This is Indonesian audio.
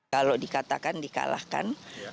kalau dikatakan di kalahkan